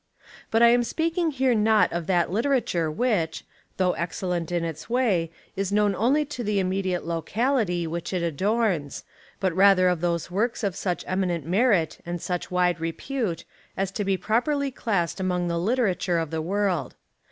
But I am speaking here not of that literature which, though excellent in its way, is known only to the immediate locality which it adorns, but rather of those works of such eminent merit and such wide repute as to be properly classed among the literature of the world.